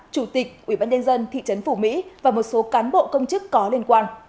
chủ tịch ubnd thị trấn phủ mỹ và một số cán bộ công chức có liên quan